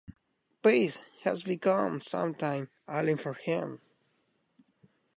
Peace has become something alien for him.